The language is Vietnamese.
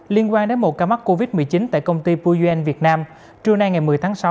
liên quan đến một ca mắc covid một mươi chín tại công ty pujen việt nam trưa nay ngày một mươi tháng sáu